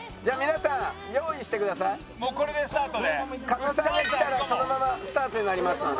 狩野さんが来たらそのままスタートになりますので。